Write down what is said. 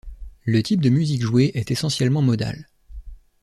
Le type de musique jouée est essentiellement modal.